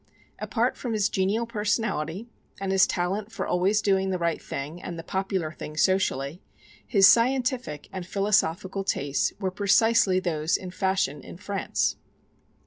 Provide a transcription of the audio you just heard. Apart from his genial personality and his talent for always doing the right thing and the popular thing socially, his scientific and philosophical tastes were precisely those in fashion in France.